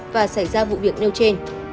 và xảy ra vụ việc nêu trên